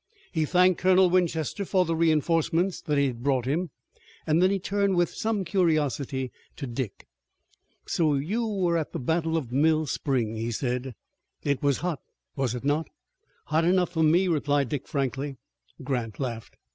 He thanked Colonel Winchester for the reinforcement that he had brought him, and then turned with some curiosity to Dick. "So you were at the battle of Mill Spring," he said. "It was hot, was it not?" "Hot enough for me," replied Dick frankly. Grant laughed.